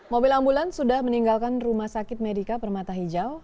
mobil ambulans sudah meninggalkan rumah sakit medica permata hijau